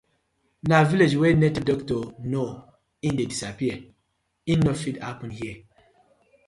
Na village wey native doctor know e dey disappear, e no fit happen here.